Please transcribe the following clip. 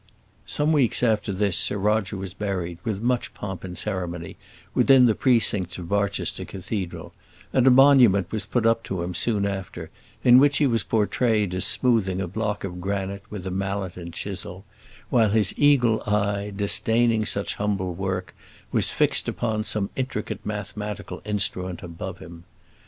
Some weeks after this Sir Roger was buried, with much pomp and ceremony, within the precincts of Barchester Cathedral; and a monument was put up to him soon after, in which he was portrayed as smoothing a block of granite with a mallet and chisel; while his eagle eye, disdaining such humble work, was fixed upon some intricate mathematical instrument above him.